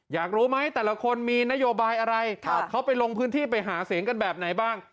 อยากรู้ไหมแต่ละคนมีนโยบายอะไรเขาไปลงพื้นที่ไปหาเสียงกันแบบไหนบ้าง